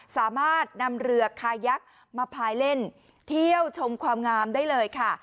สามารถนำเรือคายักษ์มาพายเล่นเที่ยวชมความงามได้เลยค่ะ